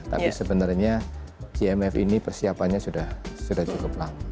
tapi sebenarnya gmf ini persiapannya sudah cukup lama